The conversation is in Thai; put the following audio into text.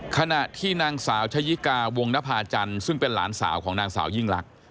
ขณะที่นางสาวชะยิกาวงนภาจันทร์ซึ่งเป็นหลานสาวของนางสาวยิ่งลักษ